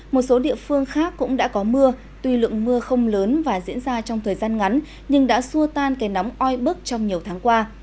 một số địa phương khác cũng đã có mưa tuy lượng mưa không lớn và diễn ra trong thời gian ngắn nhưng đã xua tan cây nóng oi bức trong nhiều tháng qua